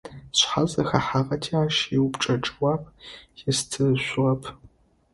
Сшъхьэ зэхэхьагъэти ащ иупчӀэ джэуап естышъугъэп.